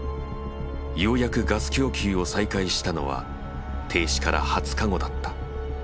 ようやくガス供給を再開したのは停止から２０日後だった。